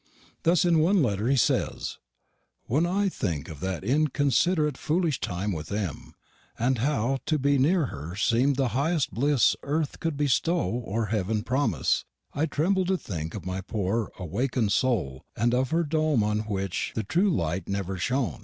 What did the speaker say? Thus in one letter he says, "When I think of that inconsideratt foolish time with M., and how to be nere her semed the highest blisse erth cou'd bistowe or Heven prommis, I trimbel to think of my pore unawaken'd sole, and of her dome on wich the tru light never shown.